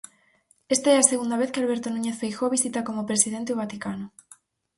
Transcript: Esta é a segunda vez que Alberto Núñez Feijóo visita como presidente o Vaticano.